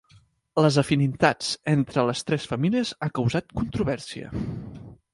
Les afinitats entre les tres famílies ha causat controvèrsia.